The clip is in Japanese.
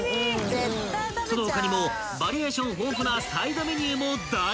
［その他にもバリエーション豊富なサイドメニューも大人気］